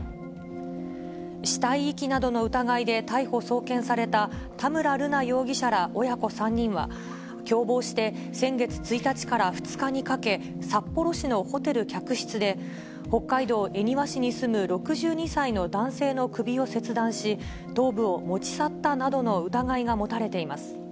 死体遺棄などの疑いで逮捕・送検された田村瑠奈容疑者ら親子３人は、共謀して、先月１日から２日にかけ、札幌市のホテル客室で、北海道恵庭市に住む６２歳の男性の首を切断し、頭部を持ち去ったなどの疑いが持たれています。